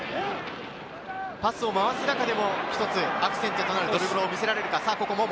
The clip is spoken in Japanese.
パスを回す中でも一つアクセントとなるドリブルを見せられるか？